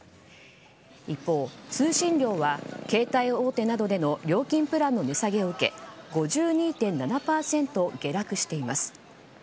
一方、通信料は携帯大手などでの料金プランの値下げを受け５２．７％下落しています。